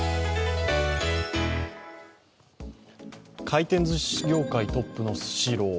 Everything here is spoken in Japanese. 回転ずし業界トップのスシロー。